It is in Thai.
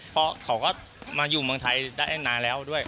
เพราะเขาก็มาอยู่เมืองไทยได้นานแล้วด้วย